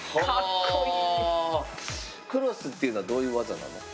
クロスっていうのはどういう技なの？